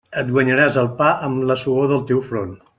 Et guanyaràs el pa amb la suor del teu front!